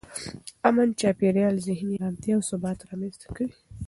امن چاپېریال ذهني ارامتیا او ثبات رامنځته کوي.